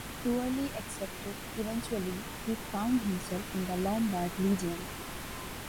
Poorly accepted, eventually he found himself in the Lombard Legion.